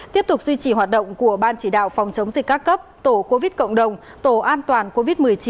tiếp tục duy trì hoạt động của ban chỉ đạo phòng chống dịch các cấp tổ covid cộng đồng tổ an toàn covid một mươi chín